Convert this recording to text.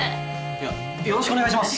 いやよろしくお願いします。